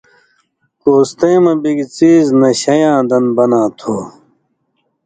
کوستَیں مہ بِگ څیز نشَیں یان دن بناں تھُو۔